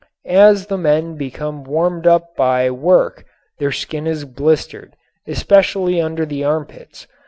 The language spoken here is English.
As the men become warmed up by work their skin is blistered, especially under the armpits.